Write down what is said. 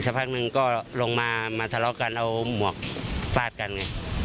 พักหนึ่งก็ลงมามาทะเลาะกันเอาหมวกฟาดกันไง